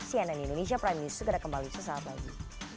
cnn indonesia prime news segera kembali sesaat lagi